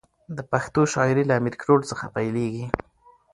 د پښتو شاعري له امیر ګروړ څخه پیلېږي.